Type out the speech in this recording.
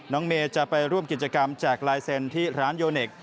เมย์จะไปร่วมกิจกรรมแจกลายเซ็นต์ที่ร้านโยเนค